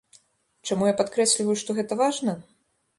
Чаму я падкрэсліваю, што гэта важна?